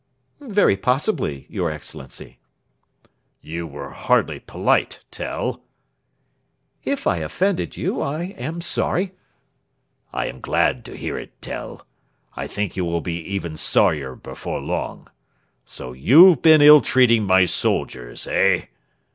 "Very possibly, your Excellency." "You were hardly polite, Tell." "If I offended you I am sorry." "I am glad to hear it, Tell. I think you will be even sorrier before long. So you've been ill treating my soldiers, eh?"